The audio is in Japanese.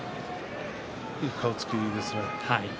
いい顔つきですよね。